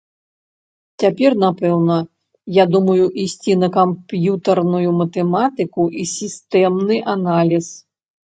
Цяпер, напэўна, я думаю ісці на камп'ютарную матэматыку і сістэмны аналіз.